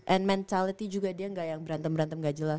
and mentality juga dia nggak yang berantem berantem gak jelas